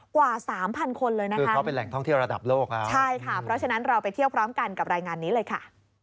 กว่า๓๐๐๐คนเลยนะคะใช่ค่ะเพราะฉะนั้นเราไปเที่ยวพร้อมกันกับรายงานนี้เลยค่ะ